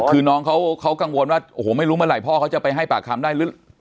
คือน้องเขากังวลว่าโอ้โหไม่รู้เมื่อไหร่พ่อเขาจะไปให้ปากคำได้หรือ